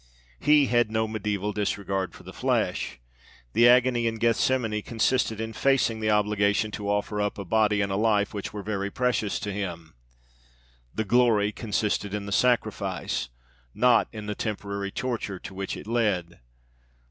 He had no mediæval disregard for the flesh. The agony in Gethsemane consisted in facing the obligation to offer up a body and a life which were very precious to him. The glory consisted in the sacrifice, not in the temporary torture to which it led.